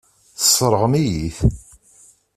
Tesseṛɣem-iyi-t.